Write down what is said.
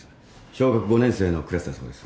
小学５年生のクラスだそうです。